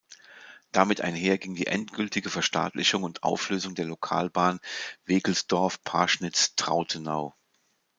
Damit einher ging die endgültige Verstaatlichung und Auflösung der Lokalbahn Wekelsdorf–Parschnitz–Trautenau.